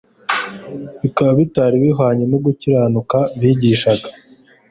bikaba bitari bihwanye n'ugukiranuka bigishaga.